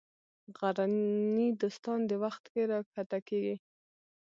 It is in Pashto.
غرني دوستان دې وخت کې راکښته کېږي.